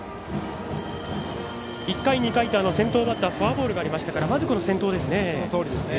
１回、２回と先頭バッターフォアボールがありましたからそのとおりですね。